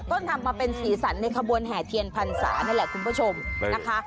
ก็นำมาเป็นสีสันในขบวนแห่เทียนพรรษานั่นแหละคุณผู้ชมนะคะ